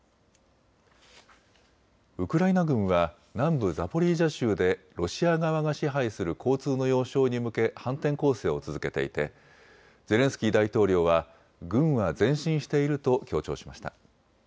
ウクライナ軍は南部ザポリージャ州でロシア側が支配する交通の要衝に向け反転攻勢を続けていてゼレンスキー大統領は軍は前進していると強調しました。